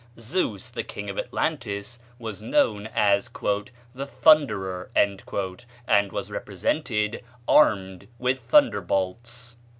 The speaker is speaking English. Zeus, the king of Atlantis, was known as "the thunderer," and was represented armed with thunder bolts.